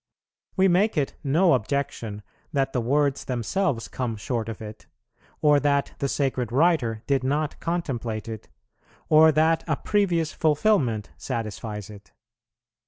We make it no objection that the words themselves come short of it, or that the sacred writer did not contemplate it, or that a previous fulfilment satisfies it.